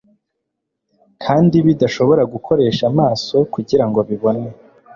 kandi bidashobora gukoresha amaso kugira ngo bibone